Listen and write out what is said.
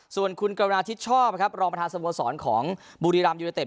ส่วนคุณกรุณาทิศชอบครับรองประธานสโมสรของบุรีรัมยูเนเต็